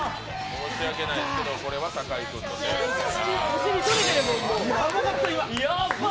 申し訳ないですけどこれは酒井君のせいですから。